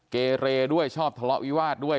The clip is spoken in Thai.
เกเรด้วยชอบทะเลาะวิวาสด้วย